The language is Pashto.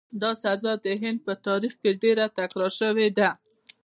دا سزا د هند په تاریخ کې ډېره تکرار شوې ده.